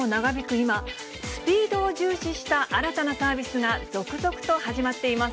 今、スピードを重視した新たなサービスが続々とはじまっています。